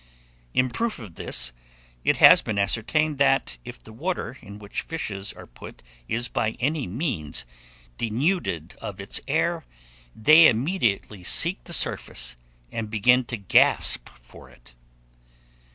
In proof of this, it has been ascertained that, if the water in which fishes are put, is, by any means, denuded of its air, they immediately seek the surface, and begin to gasp for it.